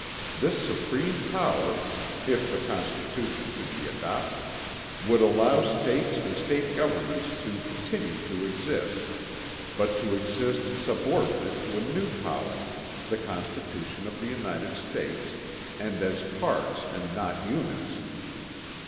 This supreme power, if the Constitution should be adopted, would allow States and State governments to continue to exist, but to exist subordinate to a new power, the Constitution of the United States and as parts and not units.